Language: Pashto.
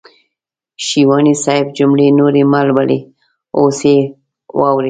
شېواني صاحب جملې نورې مهلولئ اوس يې واورئ.